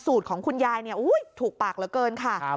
ของคุณยายถูกปากเหลือเกินค่ะ